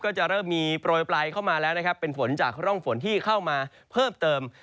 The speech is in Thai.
จะเริ่มมีโปรยปลายเข้ามาแล้วนะครับเป็นฝนจากร่องฝนที่เข้ามาเพิ่มเติม